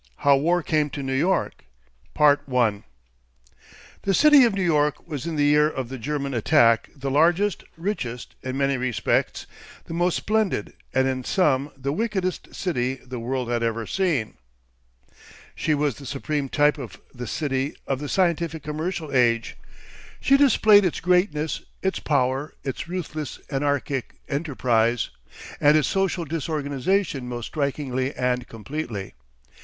HOW WAR CAME TO NEW YORK 1 The City of New York was in the year of the German attack the largest, richest, in many respects the most splendid, and in some, the wickedest city the world had ever seen. She was the supreme type of the City of the Scientific Commercial Age; she displayed its greatness, its power, its ruthless anarchic enterprise, and its social disorganisation most strikingly and completely.